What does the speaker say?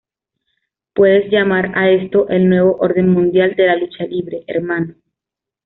Puedes llamar a esto el nuevo orden mundial de la lucha libre, hermano!".